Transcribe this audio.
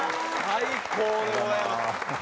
最高でございます。